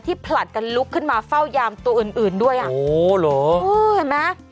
ผลัดกันลุกขึ้นมาเฝ้ายามตัวอื่นอื่นด้วยอ่ะโอ้เหรอเออเห็นไหม